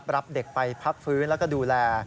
รับเด็กไปพักฟื้นแล้วก็ดูแล